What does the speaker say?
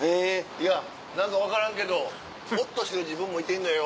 いや何か分からんけどほっとしてる自分もいてるのよ。